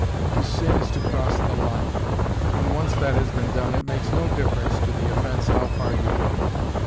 To sin is to cross the line. When once that has been done it makes no difference to the offense how far you go.